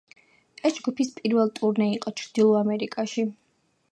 ეს ჯგუფის პირველი ტურნე იყო ჩრდილო ამერიკაში.